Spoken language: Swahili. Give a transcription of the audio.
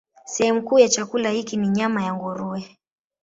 Sehemu kuu ya chakula hiki ni nyama ya nguruwe.